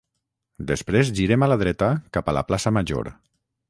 després girem a la dreta cap a la Plaça Major